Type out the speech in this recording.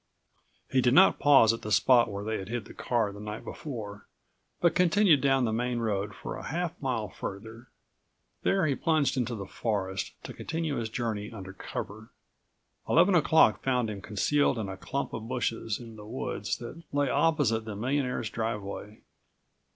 He did not pause at the spot where they had hid their car the night before, but continued down the main road for a half mile farther. There he plunged into the forest, to continue his journey under cover. Eleven o'clock found him concealed in a clump of bushes in the woods that lay opposite the millionaire's driveway.